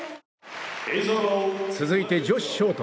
続いて女子ショート。